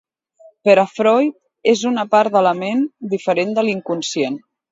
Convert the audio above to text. Per a Freud, és una part de la ment, diferent de l'inconscient.